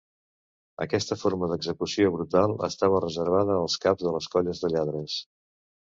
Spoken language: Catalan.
Aquesta forma d’execució brutal estava reservada als caps de les colles de lladres.